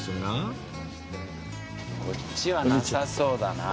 こっちはなさそうだな。